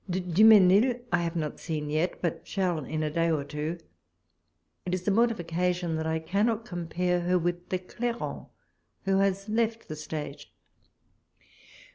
The Dumenil I have not seen yet, but shall in a day or two. It is a mortifi cation that I cannot compare her with the Clairon, who has left the stage.